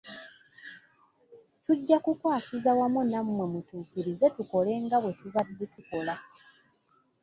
Tujja kukwasiza wamu nammwe mutukkirize tukole nga bwe tubadde tukola.